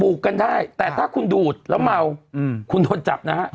ปลูกกันได้แต่ถ้าคุณดูดแล้วเมาคุณโดนจับมั้ยครับ